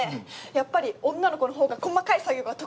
「やっぱり女の子の方が細かい作業が得意だね」